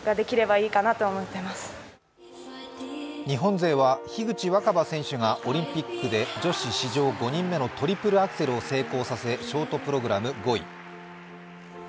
日本勢は樋口新葉選手がオリンピックで女子史上５人目のトリプルアクセルを成功させショートプログラム５位。